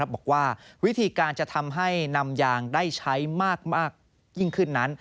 บอกว่าวิธีการจะทำให้นำยางได้ใช้มากยิ่งขึ้นนั้น